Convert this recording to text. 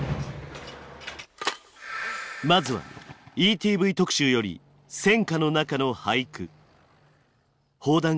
まずはＥＴＶ特集より「戦禍の中のＨＡＩＫＵ」。